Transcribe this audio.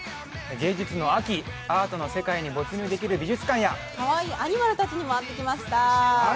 芸術の秋、アートの世界に没入できる美術館やかわいいアニマルたちにも会ってきました。